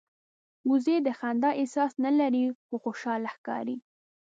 وزې د خندا احساس نه لري خو خوشاله ښکاري